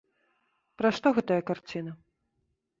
Пра што гэтая карціна?